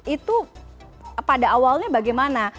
itu pada awalnya bagaimana